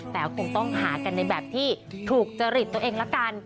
แต่คงต้องหากันในแบบที่ถูกจริตตัวเองละกัน